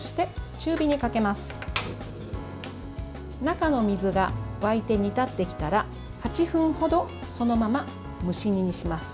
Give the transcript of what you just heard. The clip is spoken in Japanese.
中の水が沸いて煮立ってきたら８分ほどそのまま蒸し煮にします。